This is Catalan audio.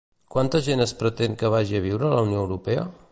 Quanta gent es pretén que vagi a viure a la Unió Europea?